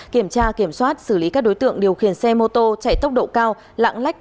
kiểm tra kiểm soát xử lý các đối tượng điều khiển xe mô tô chạy tốc độ cao lạng lách